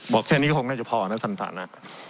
บอกแค่งี้ก็น่าจะพอนะท่านนะ